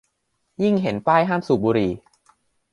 ยิ่งเห็นป้ายห้ามสูบบุหรี่